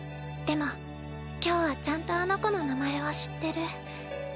でも今日はちゃんとあの子の名前を知ってる。